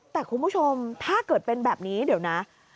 แต่คุณผู้ชมถ้าเกิดเป็นแบบนี้เดี๋ยวนะ